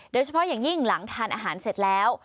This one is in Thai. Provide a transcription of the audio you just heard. โดยเฉพาะอย่างยิ่งหลังทานอาหารเสร็จแล้ว